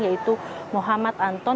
yaitu muhammad anton